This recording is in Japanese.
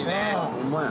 ホンマや。